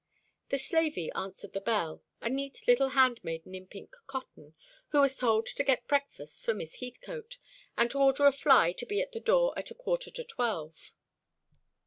The slavey answered the bell, a neat little handmaiden in pink cotton, who was told to get breakfast for Miss Heathcote, and to order a fly to be at the door at a quarter to twelve.